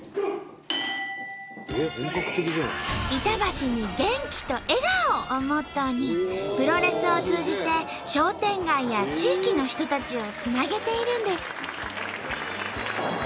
「板橋に元気と笑顔を！」をモットーにプロレスを通じて商店街や地域の人たちをつなげているんです。